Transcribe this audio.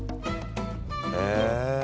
へえ。